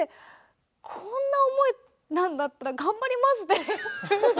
こんな思いなんだったら頑張りますって。